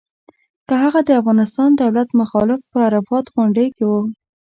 که هغه د افغانستان دولت مخالف په عرفات غونډۍ کې و.